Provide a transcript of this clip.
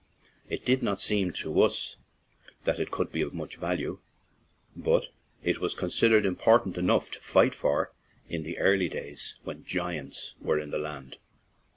It did not seem to us that it could be of much value, but it was considered important enough to fight for in the early days "when giants were in the land."